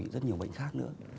rất nhiều bệnh khác nữa